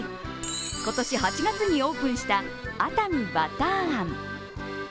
今年８月にオープンした熱海ばたーあん。